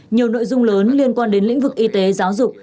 nhiều nội dung lớn liên quan đến lĩnh vực y tế giáo dục